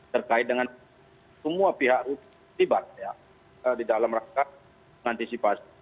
terkait dengan semua pihak utama di dalam rakyat mengantisipasi